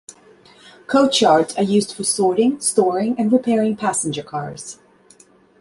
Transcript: Coach yards are used for sorting, storing and repairing passenger cars.